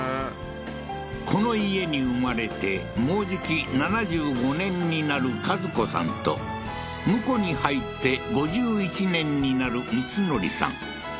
この家に生まれてもうじき７５年になる和子さんと婿に入って５１年になる光則さん